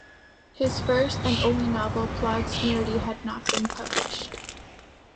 His first and only novel, "Plod smrti" has not been published.